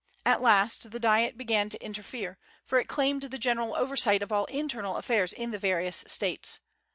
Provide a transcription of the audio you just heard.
At last the Diet began to interfere, for it claimed the general oversight of all internal affairs in the various States.